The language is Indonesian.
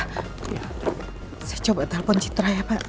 saya coba telepon citra ya pak